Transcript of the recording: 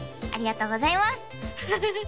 ありがとうございます！